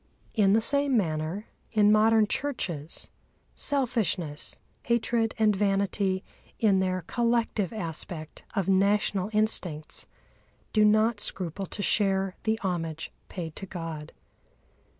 In the same manner, in modern churches, selfishness, hatred and vanity in their collective aspect of national instincts do not scruple to share the homage paid to God.